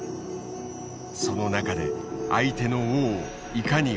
その中で相手の王をいかに追い詰めるか。